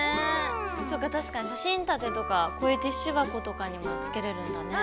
そっか確かに写真立てとかこういうティッシュ箱とかにもつけれるんだね。